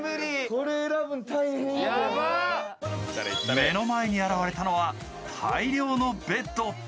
目の前に現れたのは大量のベッド。